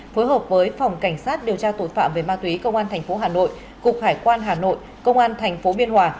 phối hợp với phòng cảnh sát điều tra tội phạm về ma túy công an tp hà nội cục hải quan hà nội công an tp biên hòa